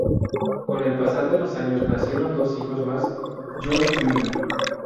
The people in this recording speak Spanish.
Con el pasar de los años nacieron dos hijos más: Joe jr.